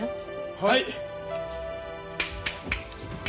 はい！